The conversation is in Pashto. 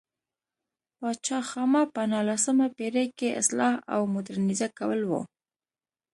پاچا خاما په نولسمه پېړۍ کې اصلاح او مودرنیزه کول و.